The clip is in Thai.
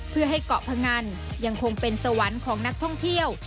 เพื่อให้เกาะพงันยังคงเป็นสวรรค์ของนักท่องเที่ยว